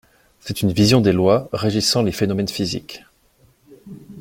C'est une vision des lois régissant les phénomènes physiques